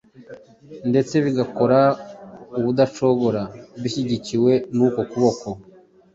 ndetse bigakora ubudacogora bishyigikiwe n’uko kuboko.